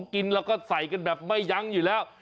กินแล้วก็ใส่กันแบบไม่ยั้งอยู่แล้ว